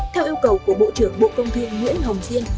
theo yêu cầu của bộ trưởng bộ công thương nguyễn hồng diên